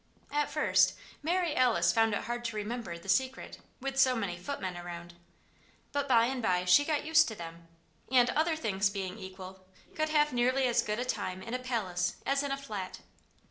At first, Mary Alice found it hard to remember the Secret "with so many footmen around." But by and by she got used to them and, other things being equal, could have nearly as good a time in a palace as in a flat.